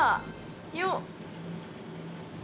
よっ。